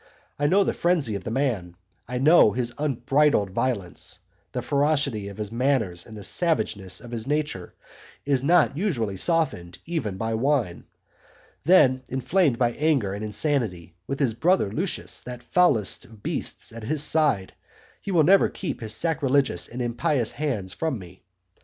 I know the frenzy of the man; I know his unbridled violence. The ferocity of his manners and the savageness of his nature is not usually softened even by wine. Then, inflamed by anger and insanity, with his brother Lucius, that foulest of beasts, at his side, he will never keep his sacrilegious and impious hands from me.